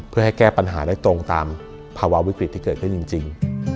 เพื่อให้แก้ปัญหาได้ตรงตามภาวะวิกฤตที่เกิดขึ้นจริง